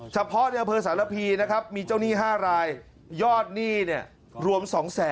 เฉพาะในอำเภอสารพีนะครับมีเจ้าหนี้๕รายยอดหนี้เนี่ยรวม๒๐๐๐